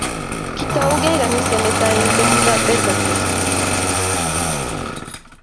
Kitoukei kaniset netai eng betut ab Pentekost